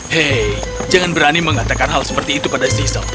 hei jangan berani mengatakan hal seperti itu pada season